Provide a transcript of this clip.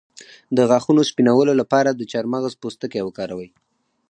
د غاښونو سپینولو لپاره د چارمغز پوستکی وکاروئ